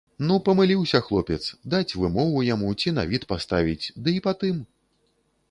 Ну, памыліўся хлопец, даць вымову яму ці на від паставіць, ды і па тым.